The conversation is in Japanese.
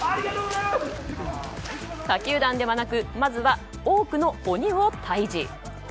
他球団ではなくまずは多くの鬼を退治。